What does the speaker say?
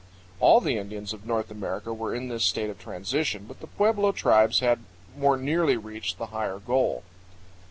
All the Indians of North America were in this state of transition, but the pueblo tribes had more nearly reached the higher goal.